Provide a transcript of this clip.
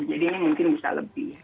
jadi ini mungkin bisa lebih